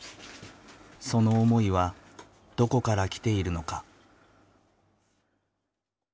その思いはどこから来ているのか。